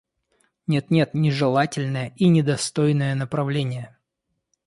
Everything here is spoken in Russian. Нет, нет, нежелательное и недостойное направление…